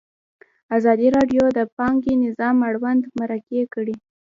ازادي راډیو د بانکي نظام اړوند مرکې کړي.